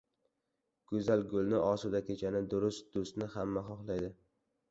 • Go‘zal gulni, osuda kechani, durust do‘stni hamma xohlaydi.